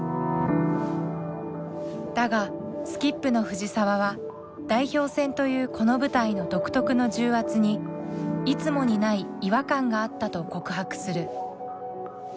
だがスキップの藤澤は代表戦というこの舞台の独特の重圧にいつもにない違和感があったと告白する。